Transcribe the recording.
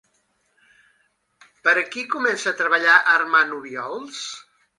Per a qui comença a treballar Armand Obiols?